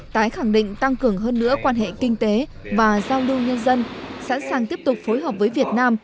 tái khẳng định tăng cường hơn nữa quan hệ kinh tế và giao lưu nhân dân sẵn sàng tiếp tục phối hợp với việt nam